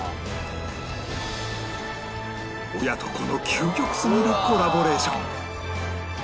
親と子の究極すぎるコラボレーション